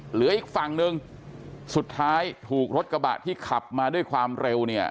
เหลืออีกฝั่งหนึ่งสุดท้ายถูกรถกระบะที่ขับมาด้วยความเร็วเนี่ย